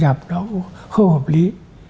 nhập nó không hợp lý